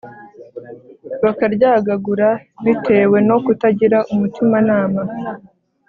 bakaryagagura bitewe no kutagira umutimanama